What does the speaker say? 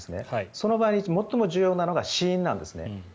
その場合、最も重要なのが死因なんですね。